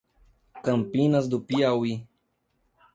Campinas do Piauí